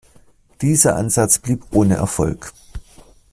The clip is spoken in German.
Dieser Ansatz blieb ohne Erfolg.